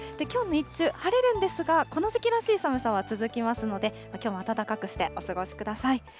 きょう日中、晴れるんですが、この時期らしい寒さは続きますので、きょうも暖かくしてお過ごしください。